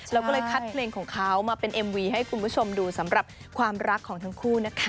แล้วก็เลยคัดเพลงของเขามาเป็นเอ็มวีให้คุณผู้ชมดูสำหรับความรักของทั้งคู่นะคะ